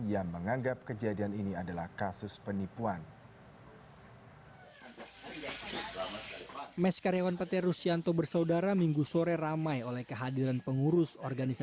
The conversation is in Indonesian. yang menganggap kejadian ini adalah kasus penipuan